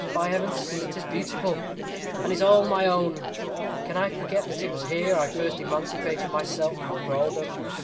By Heavens! 'tis beautiful! and it is all my own! Can I forget that it was here I first emancipated myself from thraldom?